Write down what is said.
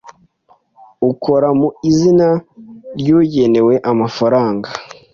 ukora mu izina ry ugenewe amafaranga